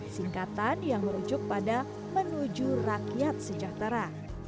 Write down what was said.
singkatan yang merujuk pada menuju rakyat sejahtera